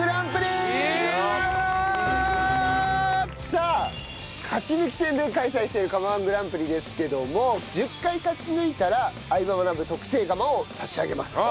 さあ勝ち抜き戦で開催している釜−１グランプリですけども１０回勝ち抜いたら『相葉マナブ』特製釜を差し上げます。